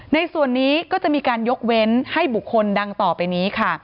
ในส่วนนี้ก็จะมีการยกเว้นให้บุคคลดังต่อไปนี้ค่ะ